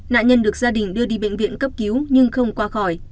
nạn nhân được gia đình đưa đi bệnh viện cấp cứu nhưng không qua khỏi